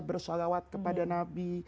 bersholawat kepada nabi